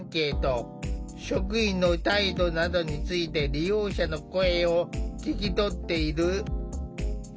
職員の態度などについて利用者の声を聞き取っている。